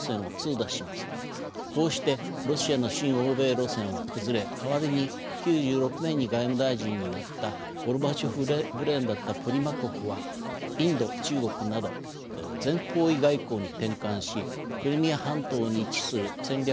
こうしてロシアの親欧米路線は崩れ代わりに９６年に外務大臣になったゴルバチョフブレーンだったプリマコフはインド中国など全方位外交に転換しクリミア半島に位置する戦略